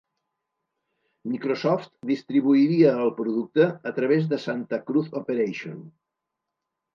Microsoft distribuiria el producte a través de Santa Cruz Operation.